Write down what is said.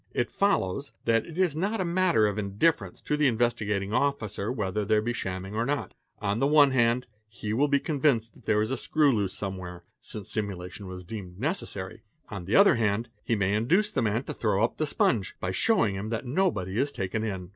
It follows that it is nota matter of indifference to the Investigating _ Officer whether there be shamming or not; on the one hand, he will be convinced that there is a screw loose somewhere, since simulation has _been deemed necessary ; on the other hand, he may induce the man to throw up the sponge, by showing him that nobody is taken in.